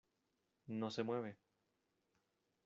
no se mueve.